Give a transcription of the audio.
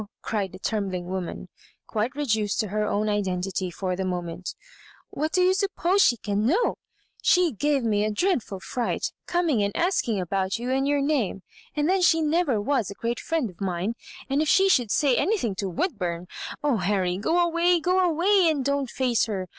cried the trembling woman, quite reduced to her own identity for the moment "What do you sup pose she can know ? She gave me a dreadful fright, coming and asking about you and your name. And then she never was a great friend of mine — and if she should say anything to Woodburn I Oh, Harry, go away, go away, and don't fjAoe her.